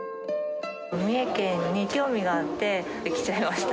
三重県に興味があって、来ちゃいました。